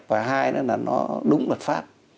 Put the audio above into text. và hai là nó đúng luật pháp